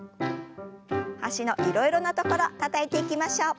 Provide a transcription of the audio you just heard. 脚のいろいろな所たたいていきましょう。